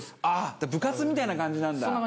あっ部活みたいな感じなんだ。